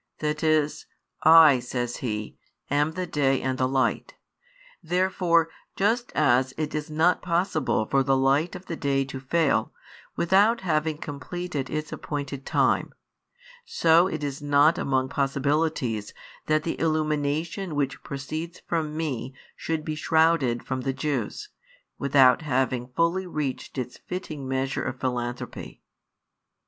That is, "I," says He, "am the Day and the Light. Therefore, just as it is not possible for the light of the day to fail, without having completed its appointed time; so it is not among possibilities that the illumination which proceeds from Me should be shrouded from the Jews, without having fully reached its fitting measure of |113 philanthropy."